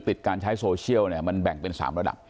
การใช้โซเชียลเนี่ยมันแบ่งเป็น๓ระดับ